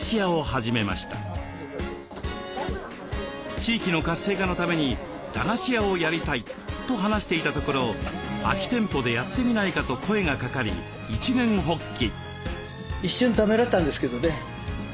地域の活性化のために駄菓子屋をやりたいと話していたところ空き店舗でやってみないかと声がかかり一念発起。